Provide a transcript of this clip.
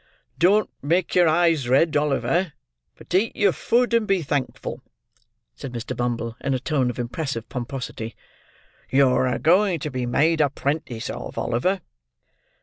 "Don't make your eyes red, Oliver, but eat your food and be thankful," said Mr. Bumble, in a tone of impressive pomposity. "You're a going to be made a 'prentice of, Oliver."